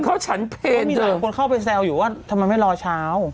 เขาฉันเพลมีหลายคนเข้าไปแซวอยู่ว่าทำไมไม่รอเช้า